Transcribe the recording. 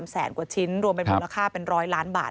แสนกว่าชิ้นรวมเป็นมูลค่าเป็น๑๐๐ล้านบาท